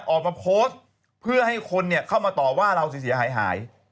ออกมาโพสต์เพื่อให้คนเข้ามาต่อว่าเราเสียหาย